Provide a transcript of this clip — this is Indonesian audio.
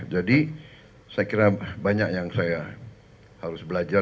jadi saya kira banyak yang saya harus belajar